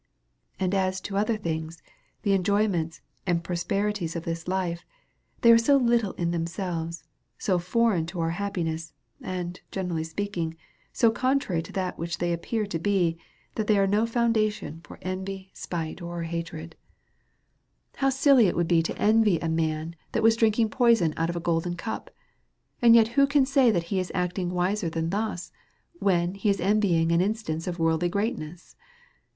And as to other tilings, the.enjoyments and prospe rities of this life, they are so little in themselves, so fo reign to our happiness, and, generally speaking, so contrary to that which they appear to be, that they are no foundation for envy, or spite, or hatred. 382 A SERIOUS CALL TO A How silly would it be to envy a man, that was drinking poison out of a golden cup ! and yet who can say, that he is acting wiser than thus, when he is en vying any instance of v^orldiy greatness?